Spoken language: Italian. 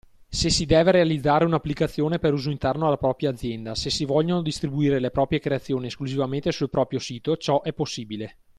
Se si deve realizzare un’applicazione per uso interno alla propria azienda, se si vogliono distribuire le proprie creazioni esclusivamente sul proprio sito, ciò è possibile.